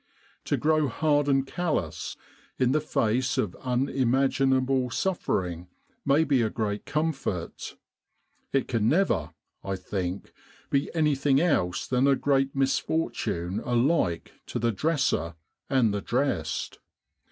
To grow hard and callous in the face of unimaginable suffering may be a great comfort : it can never, I think, be anything else than a great misfortune alike to the dresser and the dressed.